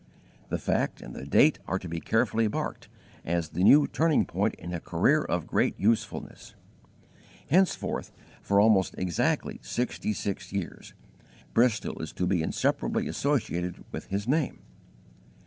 The fact and the date are to be carefully marked as the new turning point in a career of great usefulness. Henceforth, for almost exactly sixty six years, Bristol is to be inseparably associated with his name.